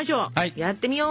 やってみよう！